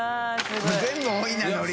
全部多いなのり。